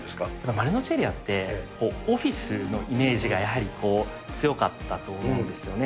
丸の内エリアってオフィスのイメージがやはり強かったと思うんですよね。